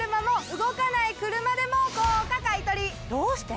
どうして？